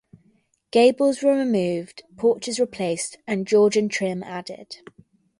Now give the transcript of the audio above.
Gables were removed, porches replaced, and Georgian trim added.